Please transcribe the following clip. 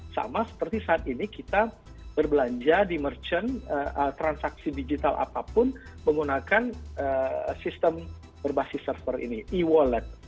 sama seperti saat ini kita berbelanja di merchant transaksi digital apapun menggunakan sistem berbasis server ini e wallet